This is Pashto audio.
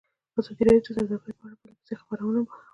ازادي راډیو د سوداګري په اړه پرله پسې خبرونه خپاره کړي.